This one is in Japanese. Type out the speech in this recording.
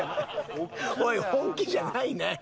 おい本気じゃないねん！